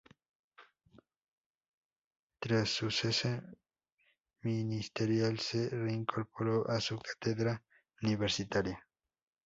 Tras su cese ministerial se reincorporó a su cátedra universitaria.